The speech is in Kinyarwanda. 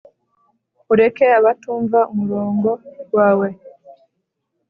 ureke abatumva umurongo wawe